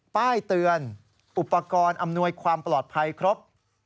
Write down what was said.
ป้ายเตือนอุปกรณ์อำนวยความปลอดภัยครบ